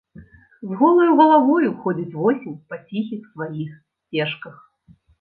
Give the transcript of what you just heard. З голаю галавою ходзіць восень па ціхіх сваіх сцежках.